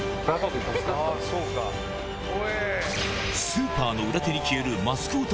スーパーの裏手に消える８７。